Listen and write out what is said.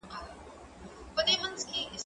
زه به سبا سپينکۍ پرېولم